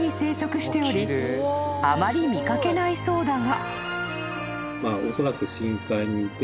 ［あまり見かけないそうだが］